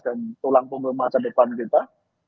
dan tulang pengemasan depan kita